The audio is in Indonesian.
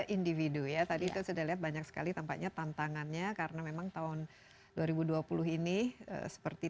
individu ya tadi itu sudah lihat banyak sekali tampaknya tantangannya karena memang tahun dua ribu dua puluh ini seperti